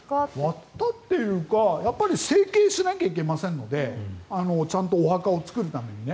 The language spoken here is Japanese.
割ったというか成形しなきゃいけませんのでちゃんとお墓を作るためにね。